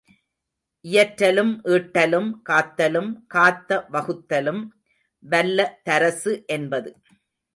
இயற்றலும் ஈட்டலும் காத்தலும் காத்த வகுத்தலும் வல்ல தரசு என்பது.